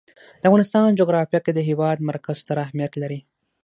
د افغانستان جغرافیه کې د هېواد مرکز ستر اهمیت لري.